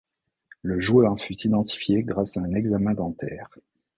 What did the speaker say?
Le joueur fut identifié grâce à un examen dentaire.